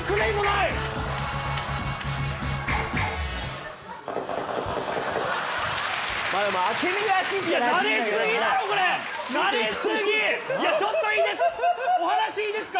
いやちょっとお話いいですか！？